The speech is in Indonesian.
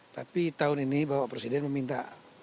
tapi tahun ini bapak presiden meminta